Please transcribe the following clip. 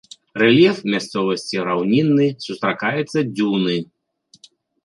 Рэльеф мясцовасці раўнінны, сустракаюцца дзюны.